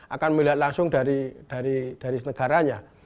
akan melihat langsung dari negaranya